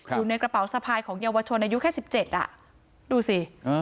อยู่ในกระเป๋าสะพายของเยาวชนอายุแค่๑๗อ่ะดูสิ